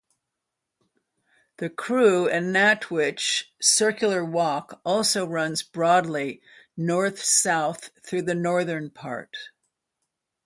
The Crewe and Nantwich Circular Walk also runs broadly north-south through the northern part.